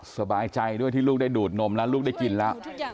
สบายใจด้วยที่ลูกได้ดูดนมแล้วลูกได้กินแล้ว